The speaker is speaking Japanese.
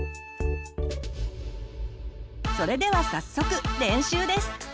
それでは早速練習です。